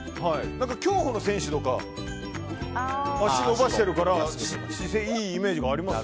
競歩の選手とか脚伸ばしてるから姿勢がいいイメージがあります。